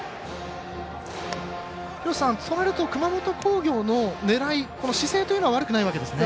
となると熊本工業の狙い姿勢というのは悪くないわけですね。